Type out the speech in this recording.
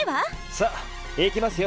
さあ行きますよ